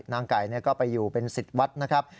นางไก่ก็ไปอยู่เป็นสิทธิ์วัดนะครับ